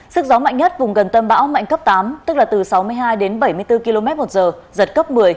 sức gió mạnh nhất vùng gần tâm bão mạnh cấp tám tức là từ sáu mươi hai đến bảy mươi bốn km một giờ giật cấp một mươi